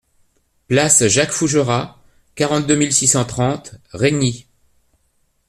Place Jacques Fougerat, quarante-deux mille six cent trente Régny